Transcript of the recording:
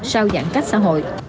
sau giãn cách xã hội